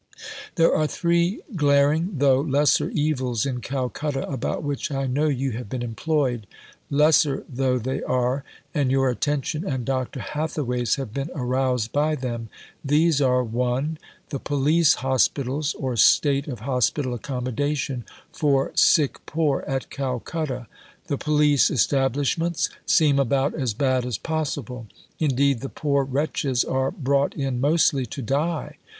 There are three glaring (tho' lesser) evils in Calcutta about which I know you have been employed lesser tho' they are and your attention and Dr. Hathaway's have been aroused by them. These are: (1) The Police Hospitals (or state of Hosp^l. accommodation) for sick poor at Calcutta. The Police establishments seem about as bad as possible. Indeed the poor wretches are brought in mostly to die.